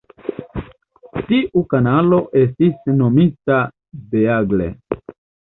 Tiu kanalo estis nomita Beagle.